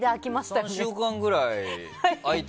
３週間ぐらい。